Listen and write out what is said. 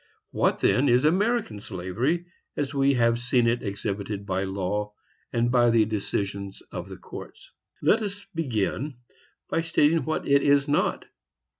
What, then, is American slavery, as we have seen it exhibited by law, and by the decisions of courts? Let us begin by stating what it is not.